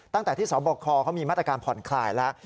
ตั้งแต่ที่สบคเขามีมาตรการผ่อนคลายแล้ว